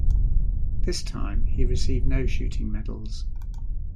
This time, he received no shooting medals.